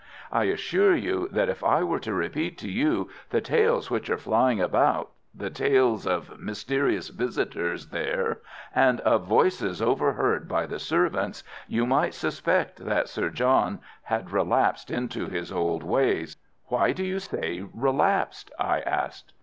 I assure you that if I were to repeat to you the tales which are flying about, tales of mysterious visitors there, and of voices overheard by the servants, you might suspect that Sir John had relapsed into his old ways." "Why do you say relapsed?" I asked.